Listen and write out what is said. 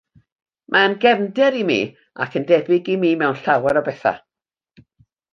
Mae yn gefnder i mi, ac yn debyg i mi mewn llawer o bethau.